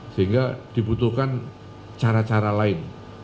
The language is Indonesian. sehingga dibutuhkan cara cara lain